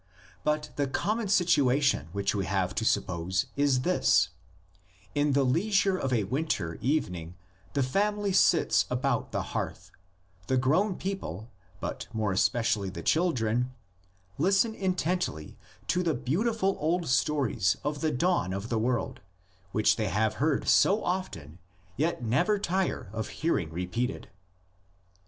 But the common situation which we have to suppose is this: In the leisure of a winter even ing the family sits about the hearth; the grown people, but more especially the children, listen intently to the beautiful old stories of the dawn of the world, which they have heard so often yet never tire of hearing repeated.